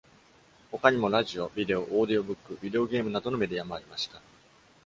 他にもラジオ、ビデオ、オーディオブック、ビデオゲームなどのメディアもありました。